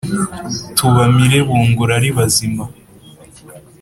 Tubamire bunguri ari bazima